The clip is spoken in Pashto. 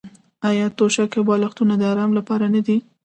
آیا توشکې او بالښتونه د ارام لپاره نه دي؟